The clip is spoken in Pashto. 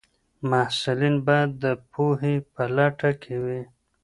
محصلین باید د پوهي په لټه کي وي.